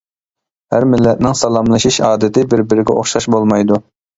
ھەر مىللەتنىڭ سالاملىشىش ئادىتى بىر-بىرىگە ئوخشاش بولمايدۇ.